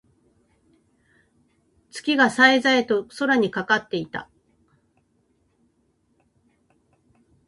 月が冴え冴えと空にかかっていた。